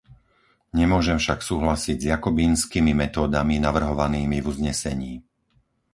Nemôžem však súhlasiť s jakobínskymi metódami navrhovanými v uznesení.